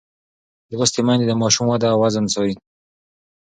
لوستې میندې د ماشوم وده او وزن څاري.